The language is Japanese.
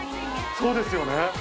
そうですよね。